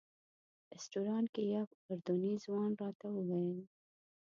رسټورانټ کې یو اردني ځوان راته وویل.